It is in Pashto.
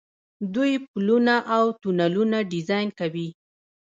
دوی پلونه او تونلونه ډیزاین کوي.